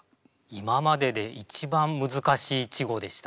今までで一番難しい稚語でした。